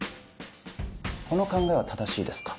この考えは正しいですか？